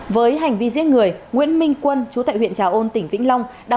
với hành vi giết người nguyễn minh quân chú tại huyện trà ôn tỉnh vĩnh long